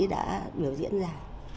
đã biểu diễn ra